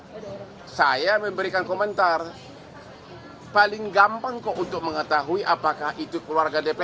hai saya memberikan komentar paling gampang untuk mengetahui apakah itu keluarga dp